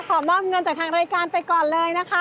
ขอมอบเงินจากทางรายการไปก่อนเลยนะคะ